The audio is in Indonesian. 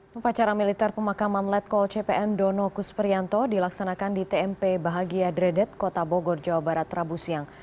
pepacara militer pemakaman letkol cpn dono kusperianto dilaksanakan di tmp bahagia dredet kota bogor jawa barat rabu siang